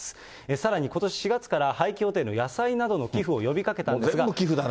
さらにことし４月から廃棄予定の野菜などの寄付を呼びかけたんで全部寄付だね。